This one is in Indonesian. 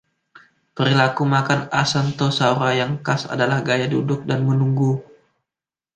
Perilaku makan "Acanthosaura" yang khas adalah gaya duduk-dan-menunggu.